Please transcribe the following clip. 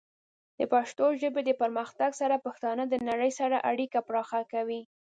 د پښتو ژبې د پرمختګ سره، پښتانه د نړۍ سره اړیکې پراخه کوي.